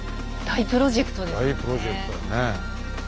大プロジェクトだね。